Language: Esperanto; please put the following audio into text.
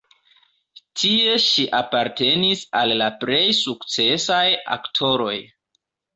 Tie ŝi apartenis al la plej sukcesaj aktoroj.